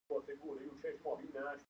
د محرومو ولایتونو لپاره څه شوي؟